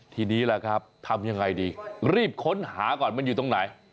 ทีนี้ล่ะครับทำยังไงดีรีบค้นหาก่อนมันอยู่ตรงไหน